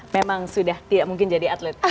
memang sudah tidak mungkin jadi atlet